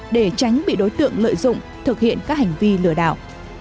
để tránh bị đối tượng lợi dụng thực hiện các hành vi lừa đảo